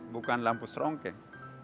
bukan lampu serongkeng